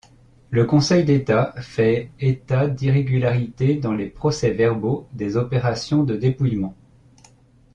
Le Conseil d'État fait état d'irrégularités dans les procès-verbaux des opérations de dépouillement.